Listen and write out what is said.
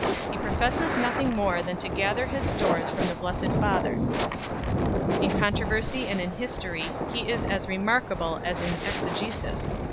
He professes nothing more than to gather his stores from the blessed fathers 12 ." In controversy and in history he is as remark able as in exegesis.